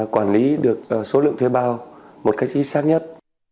quản lý được số lượng thuê bao một cách chính xác nhất